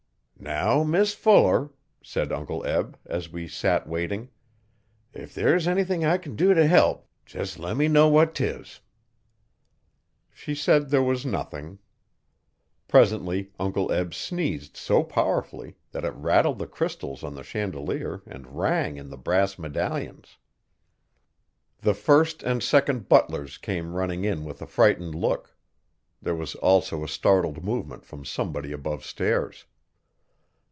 'Now Mis Fuller,' said Uncle Eb, as we sat waiting, 'if there s anything I can do t'help jes'le'me know what 'tis. She said there was nothing. Presently Uncle Eb sneezed so powerfully that it rattled the crystals on the chandelier and rang in the brass medallions. The first and second butlers came running in with a frightened look. There was also a startled movement from somebody above stairs.